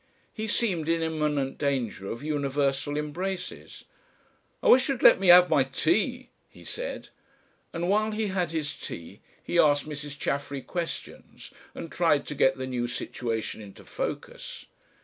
He seemed in imminent danger of universal embraces. "I wish you'd let me have my tea," he said. And while he had his tea he asked Mrs. Chaffery questions and tried to get the new situation into focus.